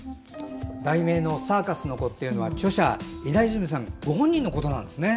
題名の「サーカスの子」は著者稲泉さんご本人のことなんですね。